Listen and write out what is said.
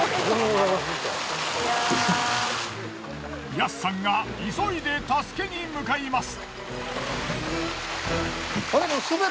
ヤスさんが急いで助けに向かいます。